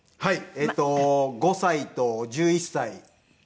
はい。